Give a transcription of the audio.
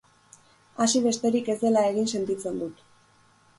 Hasi besterik ez dela egin sentitzen dut!